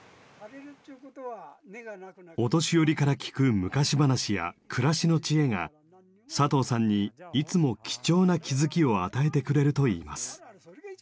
お年寄りから聞く昔話や暮らしの知恵が佐藤さんにいつも貴重な「気付き」を与えてくれるといいます。